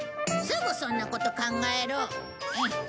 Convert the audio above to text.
すぐそんなこと考える。